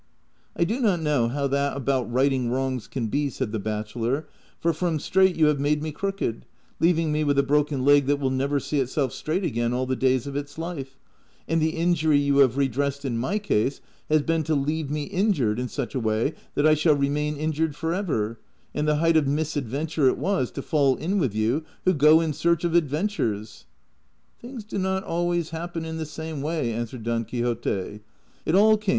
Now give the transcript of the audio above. " I do not know how that about righting wrongs can be," said the bachelor, " for from straight you have made me crooked, ^ leaving me with a broken leg that will never see itself straight again all the days of its life ; and the injury you have redressed in my case has been to leave me injured in such a way that I shall remain injured forever ; and the height of misadventure it was to fall in with you who go in search of adventures." " Things do not always happen in the same way,'' answered Don Quixote ;" it all came.